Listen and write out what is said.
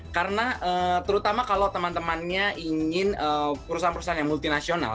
karena terutama kalau teman temannya ingin perusahaan perusahaan yang multi nasional